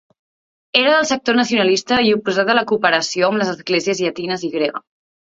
Era del sector nacionalista i oposat a la cooperació amb les esglésies llatines i grega.